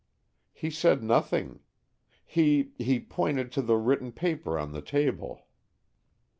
"He said nothing. He—he pointed to the written paper on the table."